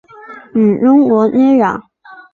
与中国接壤。